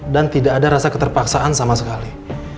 dan tidak ada rasa keterpaksaan sama sekali